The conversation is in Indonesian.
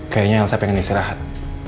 kayaknya elsa pengen istirahat